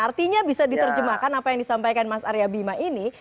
artinya bisa diterjemahkan apa yang disampaikan mas aryabima ini